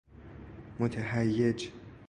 متهیج